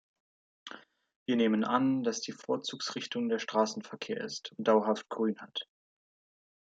Wir nehmen an, dass die Vorzugsrichtung der Straßenverkehr ist und dauerhaft grün hat.